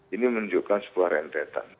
ini menunjukkan sebuah rentetan